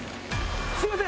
すいません。